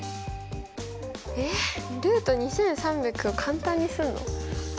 えっルート２３００を簡単にするの？